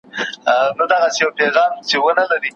ټولي پاڼي به مي توی کړې بل وطن ته یې سې وړلای